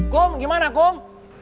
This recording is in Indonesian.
kum gimana kum